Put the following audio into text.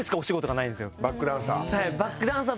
バックダンサー。